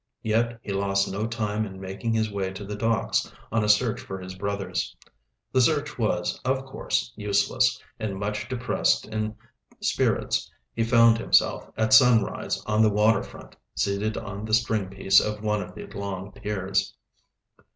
Yet he lost no time in making his way to the docks, on a search for his brothers. The search was, of course, useless, and much depressed in spirits he found himself, at sunrise, on the waterfront, seated on the stringpiece of one of the long piers.